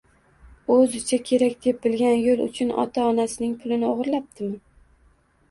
o‘zicha kerak deb bilgan yo‘l uchun ota-onasining pulini o‘g‘irlaptimi